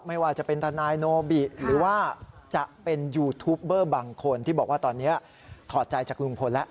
ไม่ว่าจะเป็นทนายโนบิหรือว่าจะเป็นยูทูปเบอร์บางคนที่บอกว่าตอนนี้ถอดใจจากลุงพลแล้ว